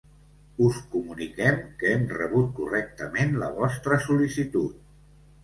Us comuniquem que hem rebut correctament la vostra sol·licitud.